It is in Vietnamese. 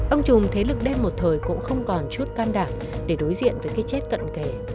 ông trùng thế lực đem một thời cũng không còn chút can đảm để đối diện với cái chết cận kể